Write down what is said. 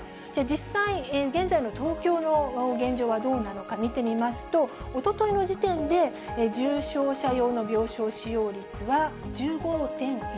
じゃあ、実際、現在の東京の現状はどうなのか見てみますと、おとといの時点で、重症者用の病床使用率は１５．１％。